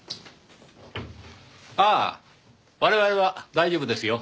ああ我々は大丈夫ですよ。